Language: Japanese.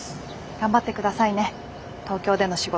頑張ってくださいね東京での仕事。